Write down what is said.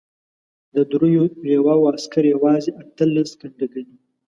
د دریو لواوو عسکر یوازې اته لس کنډکه دي.